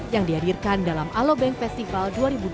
yang dihadirkan dalam alobank festival dua ribu dua puluh